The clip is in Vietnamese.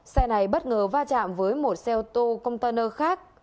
xe này bất ngờ va chạm với một xe ô tô container khác